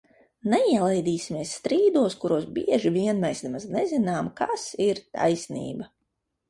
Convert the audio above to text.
Neielaidīsimies strīdos, kuros bieži vien mēs nemaz nezinām, kas ir taisnība!